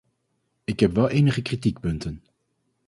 Ik heb wel enige kritiekpunten.